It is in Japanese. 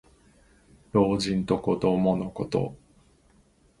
老人と子どものこと。